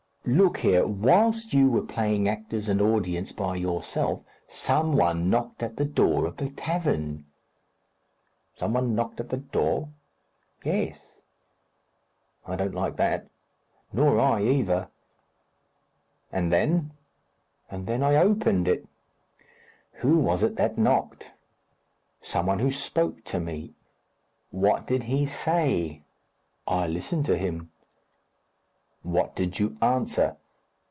"Look here: whilst you were playing actors and audience by yourself, some one knocked at the door of the tavern." "Some one knocked at the door?" "Yes." "I don't like that." "Nor I, either." "And then?" "And then I opened it." "Who was it that knocked?" "Some one who spoke to me." "What did he say?" "I listened to him." "What did you answer?"